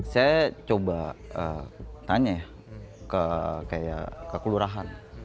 saya coba tanya ya kayak ke kelurahan